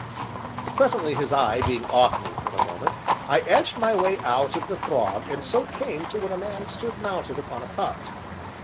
Presently, his eye being off me for the moment, I edged my way out of the throng and so came to where a man stood mounted upon a cart.